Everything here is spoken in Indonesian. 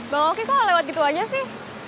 bang oki tuh lewat gitu aja sih